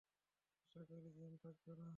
আশা করি জ্যাম থাকবে না।